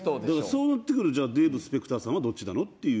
そうなってくるとじゃあデーブ・スペクターさんはどっちなの？っていう。